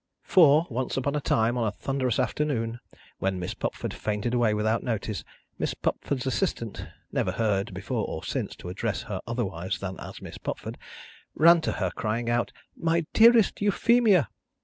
For, once upon a time on a thunderous afternoon, when Miss Pupford fainted away without notice, Miss Pupford's assistant (never heard, before or since, to address her otherwise than as Miss Pupford) ran to her, crying out, "My dearest Euphemia!"